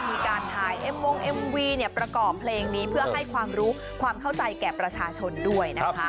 มีการถ่ายเอ็มวงเอ็มวีเนี่ยประกอบเพลงนี้เพื่อให้ความรู้ความเข้าใจแก่ประชาชนด้วยนะคะ